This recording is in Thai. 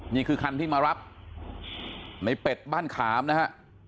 นี่คือคันที่มารับในเป็ดบ้านขามนะฮะ